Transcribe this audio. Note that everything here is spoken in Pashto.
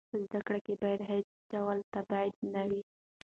په زده کړه کې باید هېڅ ډول تبعیض نه وي.